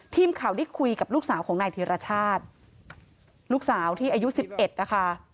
ทีมข่าวได้คุยกับลูกสาวของนายธีรชาติลูกสาวที่อายุ๑๑นะคะ